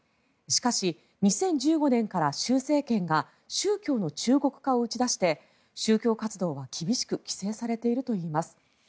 しかし、２０１５年から習政権が宗教の中国化を打ち出して宗教活動は厳しく規制されているといいます。